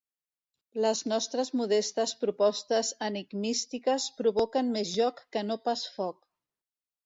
Les nostres modestes propostes enigmístiques provoquen més joc que no pas foc.